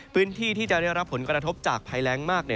พื้นที่ที่จะได้รับผลกระทบจากภัยแรงมาก